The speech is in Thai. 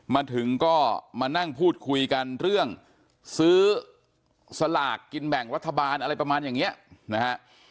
มาถึงก็มานั่งพูดคุยกันเรื่องซื้อสลากกินแบ่งรัฐบาลอะไรประมาณอย่างนี้นะฮะ